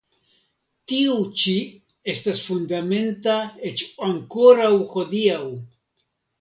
Tiu ĉi estas fundamenta eĉ ankoraŭ hodiaŭ.